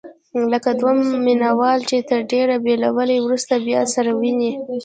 لکه دوه مینه وال چې تر ډېر بېلوالي وروسته بیا سره ویني.